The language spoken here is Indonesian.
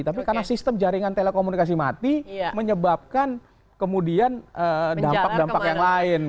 tapi karena sistem jaringan telekomunikasi mati menyebabkan kemudian dampak dampak yang lain